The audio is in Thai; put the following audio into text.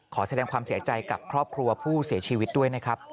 ขอแสดงความเสียใจกับครอบครัวผู้เสียชีวิตด้วยนะครับ